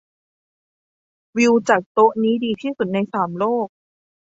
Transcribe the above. วิวจากโต๊ะนี้ดีที่สุดในสามโลก